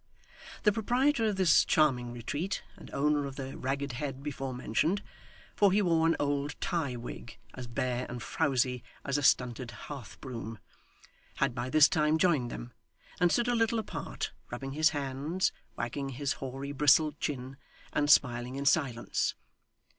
The proprietor of this charming retreat, and owner of the ragged head before mentioned for he wore an old tie wig as bare and frowzy as a stunted hearth broom had by this time joined them; and stood a little apart, rubbing his hands, wagging his hoary bristled chin, and smiling in silence.